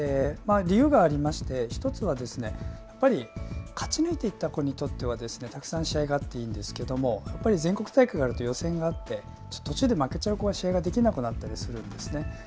理由がありまして、１つはやっぱり勝ち抜いていった子にとってはたくさん試合があっていいんですけれども全国大会だと予選があって、途中で負けちゃう子が試合をできなくなったりするんです。